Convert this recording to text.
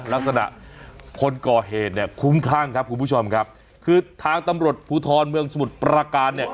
ลักษณะคนก่อเหตุเนี่ยคุ้มข้างครับคุณผู้ชมครับคือทางตำรวจภูทรเมืองสมุทรประการเนี่ย